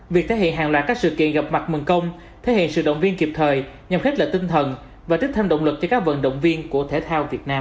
việc thể hiện hàng loạt các sự kiện gặp mặt mừng công thể hiện sự động viên kịp thời nhằm khích lệ tinh thần và tiếp thêm động lực cho các vận động viên của thể thao việt nam